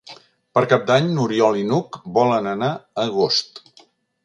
Per Cap d'Any n'Oriol i n'Hug volen anar a Agost.